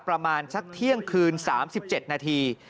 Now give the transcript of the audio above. ประมาณสักเที่ยงคืน๓๗นาที